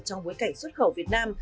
trong bối cảnh xuất khẩu việt nam